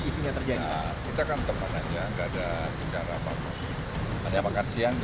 saya datang dan pak